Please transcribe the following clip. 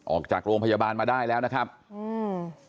ออกจากโรงพยาบาลมาได้แล้วนะครับอืม